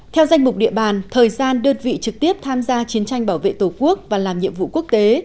theo danh mục địa bàn thời gian đơn vị trực tiếp tham gia chiến tranh bảo vệ tổ quốc và làm nhiệm vụ quốc tế